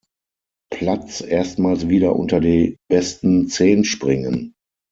Platz erstmals wieder unter die besten zehn springen.